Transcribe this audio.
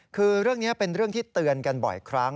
คือเรื่องนี้เป็นเรื่องที่เตือนกันบ่อยครั้ง